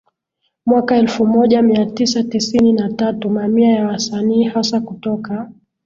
mwaka elfu moja mia tisa tisini na tatu Mamia ya wasanii hasa kutoka